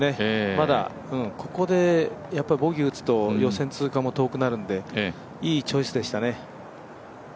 まだ、ここでボギーを打つと予選通過も遠くなるので、いいチョイスでしたね。